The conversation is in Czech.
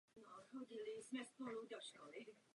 Je sídlem Montgomery County.